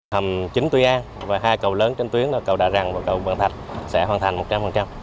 hầm chính tuy an và hai cầu lớn trên tuyến là cầu đà ràng và cầu bà thạch sẽ hoàn thành một trăm linh